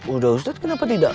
udah ustadz kenapa tidak